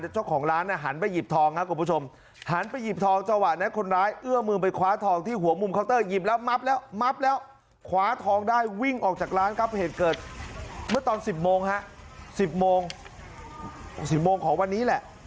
เจ้าของร้านหันไปหยิบทองครับคุณผู้ชมหันไปหยิบทองจังหวะนั้นคนร้ายเอื้อมือไปคว้าทองที่หัวมุมเคานเตอร์หยิบแล้วมับแล้วมับแล้วคว้าทองได้วิ่งออกจากร้านครับเหตุเกิดเมื่อตอน๑๐โมงฮะสิบโมง๑๐โมงของวันนี้แหละ